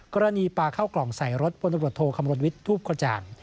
ปลาเข้ากล่องใส่รถพลตำรวจโทคำนวณวิทย์ทูปกระจ่าง